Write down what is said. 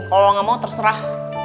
kalo lu gak mau terserah